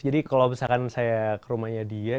jadi kalau misalkan saya ke rumahnya dia